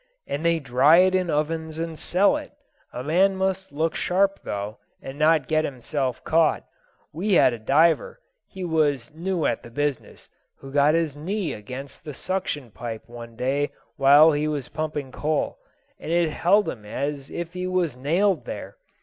and they dry it in ovens and sell it. A man must look sharp, though, and not get himself caught. We had a diver he was new at the business who got his knee against the suction pipe one day while he was pumping coal, and it held him as if he was nailed there.